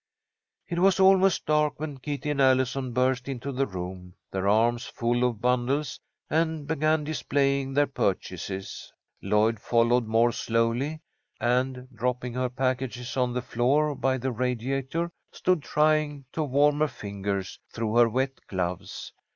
It was almost dark when Kitty and Allison burst into the room, their arms full of bundles, and began displaying their purchases. Lloyd followed more slowly, and, dropping her packages on the floor by the radiator, stood trying to warm her fingers through her wet gloves.